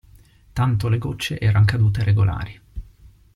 Tanto le gocce eran cadute regolari.